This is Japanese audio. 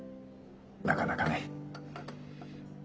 なかなかね。